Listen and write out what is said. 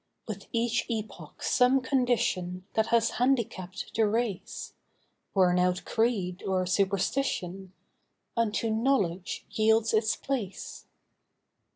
With each epoch some condition That has handicapped the race (Worn out creed or superstition) Unto knowledge yields its place.